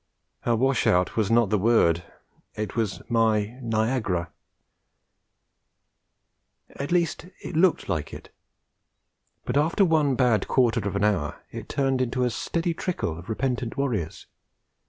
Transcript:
'A wash out' was not the word. It was my Niagara. At least it looked like it; but after one bad quarter of an hour it turned into a steady trickle of repentant warriors.